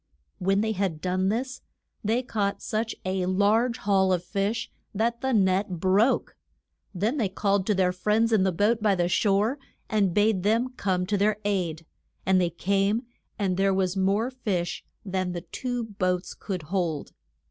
When they had done this, they caught such a large haul of fish that the net broke. Then they called to their friends in the boat by the shore, and bade them come to their aid. And they came, and there was more fish than the two boats could hold.